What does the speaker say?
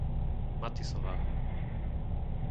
Matysová